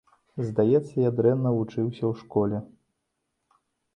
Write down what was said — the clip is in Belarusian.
Здаецца, я дрэнна вучыўся ў школе.